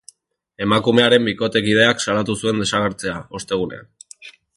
Emakumearen bikotekideak salatu zuen desagertzea, ostegunean.